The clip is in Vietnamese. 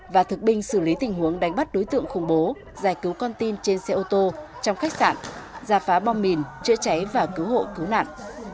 và thực binh xử lý tình huống đánh bắt đối tượng khủng bố giải cứu con tin trên xe ô tô trong khách sạn gia phá bom mìn chữa cháy và cứu hộ cứu nạn